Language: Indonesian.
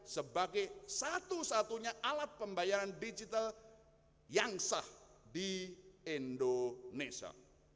sebagai satu satunya alat pembayaran digital yang sah di indonesia